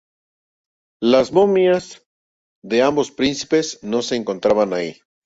Las momias de ambos príncipes no se encontraban allí.